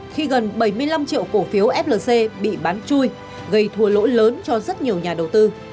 khi gần bảy mươi năm triệu cổ phiếu flc bị bán chui gây thùa lỗi lớn cho rất nhiều nhà đầu tư